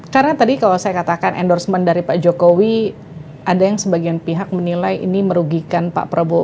karena tadi kalau saya katakan endorsement dari pak jokowi ada yang sebagian pihak menilai ini merugikan pak prabowo